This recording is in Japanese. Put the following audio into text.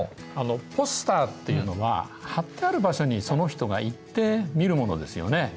ポスターっていうのは貼ってある場所にその人が行って見るものですよね。